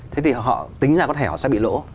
thế thì họ tính ra có thẻ họ sẽ bị lỗ